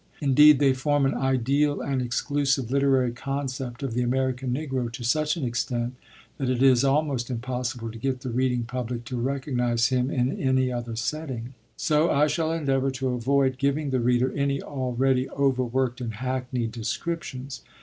Indeed, they form an ideal and exclusive literary concept of the American Negro to such an extent that it is almost impossible to get the reading public to recognize him in any other setting; so I shall endeavor to avoid giving the reader any already overworked and hackneyed descriptions.